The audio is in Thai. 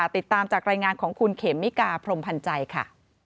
ติดตามจากรายงานของคุณเขมิกาพรมพันธ์ใจค่ะ